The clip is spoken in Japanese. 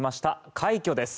快挙です。